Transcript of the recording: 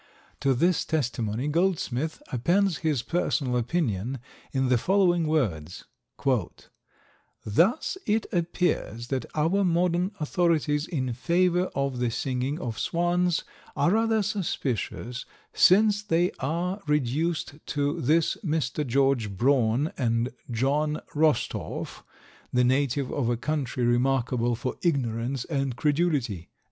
To this testimony Goldsmith appends his personal opinion in the following words: "Thus it appears that our modern authorities in favour of the singing of swans are rather suspicious, since they are reduced to this Mr. George Braun and John Rostorph, the native of a country remarkable for ignorance and credulity."